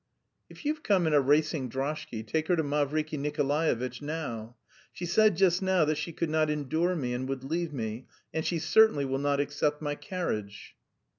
"If you've come in a racing droshky, take her to Mavriky Nikolaevitch now. She said just now that she could not endure me and would leave me, and she certainly will not accept my carriage."